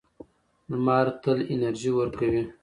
لمر تل انرژي ورکوي.